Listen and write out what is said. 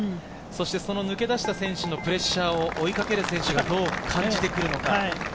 そして抜け出した選手のプレッシャーを追いかける選手がどう感じてくるのか。